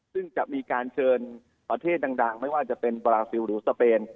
ซึ่งจะมีการเชิญประเทศดังไม่ว่าจะเป็นบราซิลหรือสเปน